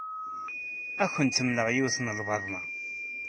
Ad akent-mmleɣ yiwet n lbaḍna.